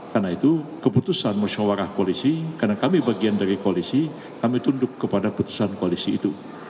karena itu keputusan mesyuarah koalisi karena kami bagian dari koalisi kami tunduk kepada keputusan koalisi itu